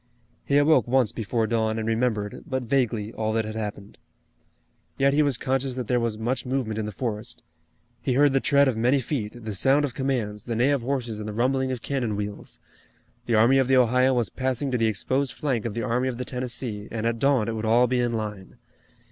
He awoke once before dawn and remembered, but vaguely, all that had happened. Yet he was conscious that there was much movement in the forest. He heard the tread of many feet, the sound of commands, the neigh of horses and the rumbling of cannon wheels. The Army of the Ohio was passing to the exposed flank of the Army of the Tennessee and at dawn it would all be in line.